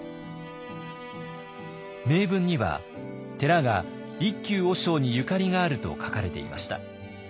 銘文には寺が一休和尚にゆかりがあると書かれていました。